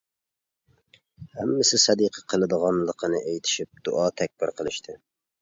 ھەممىسى سەدىقە قىلىدىغانلىقىنى ئېيتىشىپ، دۇئا تەكبىر قىلىشتى.